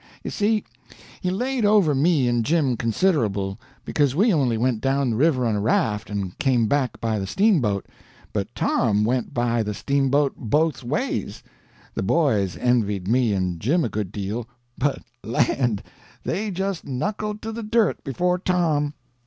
You see he laid over me and Jim considerable, because we only went down the river on a raft and came back by the steamboat, but Tom went by the steamboat both ways. The boys envied me and Jim a good deal, but land! they just knuckled to the dirt before TOM.